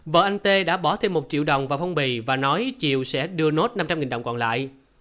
vợ anh t đã bỏ thêm một triệu đồng vào phòng bị và nói chiều sẽ đưa nốt năm trăm linh đồng còn lại